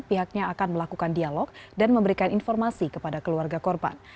pihaknya akan melakukan dialog dan memberikan informasi kepada keluarga korban